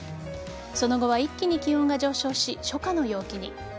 その後は一気に気温が上昇し初夏の陽気に。